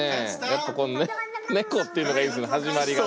やっぱこの猫っていうのがいいですよね始まりがね。